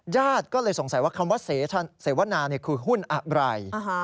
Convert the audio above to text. ญาติก็เลยสงสัยว่าคำว่าเสวนาคือหุ้นอะไร